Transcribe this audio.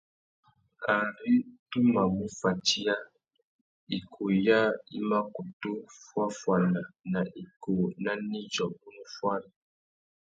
Ari tu mà mù fatiya, ikūh yâā i mà kutu fuáffuana nà ikūh nà nidjô unú fuári.